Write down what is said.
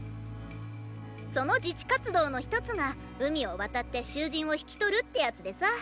その自治活動の一つが海を渡って囚人を引き取るってやつでさ。